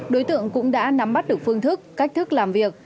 đối tượng cũng đã nắm bắt được phương thức cách thức làm việc